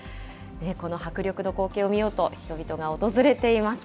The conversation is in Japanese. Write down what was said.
この迫力の光景を見ようと、人々が訪れています。